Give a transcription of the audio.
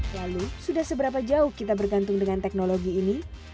lalu sudah seberapa jauh kita bergantung dengan teknologi ini